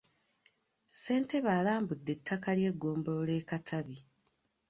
Ssentebe alambudde ettaka ly'eggombolola e Katabi.